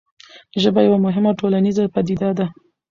ژبه یوه مهمه ټولنیزه پدیده ده.